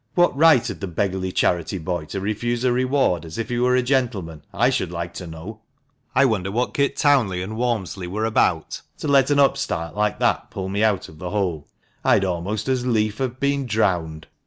What right had the beggarly charity boy to refuse a reward, as if he were a gentleman, I should like to know ? I wonder what Kit Townley and Walmsley were about — the cowardly ninnies — to let an upstart like that pull me out of the hole. I'd almost as lief have been drowned."